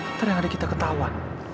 ntar yang ada kita ketahuan